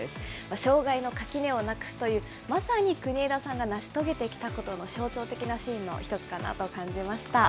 障害の垣根をなくすという、まさに国枝さんが成し遂げてきたことの象徴的なシーンの一つかなと感じました。